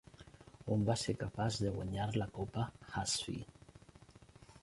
On va ser capaç de guanyar la copa Hazfi.